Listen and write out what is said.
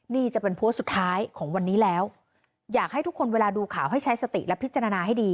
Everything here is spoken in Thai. นี่จะเป็นโพสต์สุดท้ายของวันนี้แล้วอยากให้ทุกคนเวลาดูข่าวให้ใช้สติและพิจารณาให้ดี